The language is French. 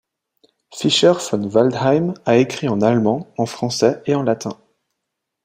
Fischer von Waldheim a écrit en allemand, en français et en latin.